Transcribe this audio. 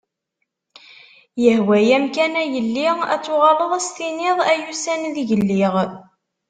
Yehwa-am kan a yelli, ad tuɣaleḍ ad as-tiniḍ ay ussan ideg lliɣ.